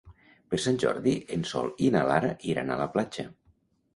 Per Sant Jordi en Sol i na Lara iran a la platja.